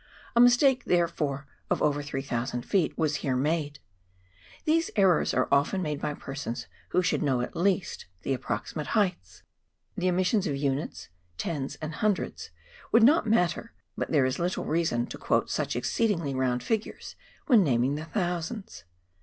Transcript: A mistake, therefore, of over 3,000 ft. was here made ! These errors are often made by persons who should know, at least, the approximate heights. The omission of units, tens and hundreds would not matter, but there is little reason to quote such exceedingly round figures when naming the thousands.